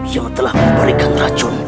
yang telah memberikan racun